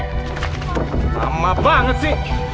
lama banget sih